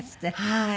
はい。